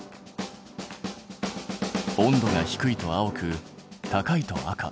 温度が低いと青く高いと赤。